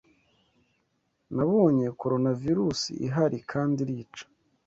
Nabonye Coronavirusi ihari kandi irica